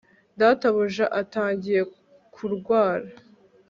databuja atangiye kurwara